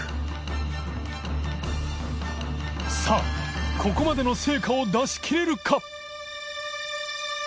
磴気ここまでの成果を出しきれるか？